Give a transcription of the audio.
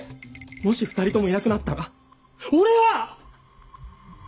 もし２人ともいなくなったら俺は！